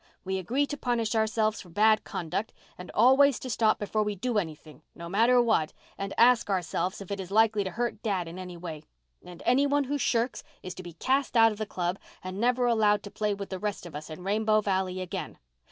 We agree to punish ourselves for bad conduct, and always to stop before we do anything, no matter what, and ask ourselves if it is likely to hurt dad in any way, and any one who shirks is to be cast out of the club and never allowed to play with the rest of us in Rainbow Valley again.